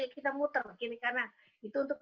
kita muter kiri kiri karena itu untuk